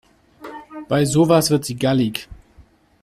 Bei sowas wird sie gallig.